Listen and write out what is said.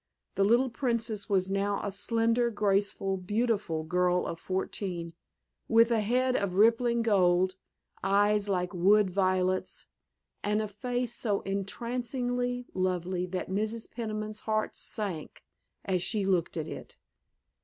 The little Princess was now a slender, graceful, beautiful girl of fourteen, with a head of rippling gold, eyes like wood violets, and a face so entrancingly lovely that Mrs. Peniman's heart sank as she looked at it.